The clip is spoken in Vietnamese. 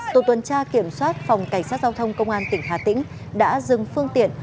tổ tuần tra kiểm soát phòng cảnh sát giao thông công an tỉnh hà tĩnh đã dừng phương tiện